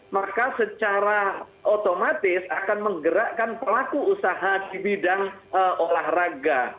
maka secara otomatis akan menggerakkan pelaku usaha di bidang olahraga